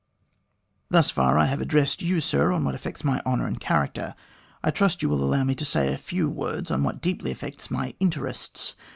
Thus far I have addressed you, sir, on what affects my honour and character. I trust you will allow me to say a few words on what deeply affects my interests.